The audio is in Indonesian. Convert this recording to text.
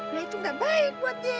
nah itu gak baik buat dia